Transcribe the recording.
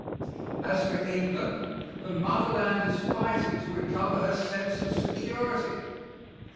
As for England, the motherland is fighting to recover her sense of security.